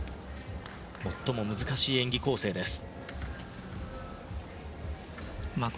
最も難しい演技構成です。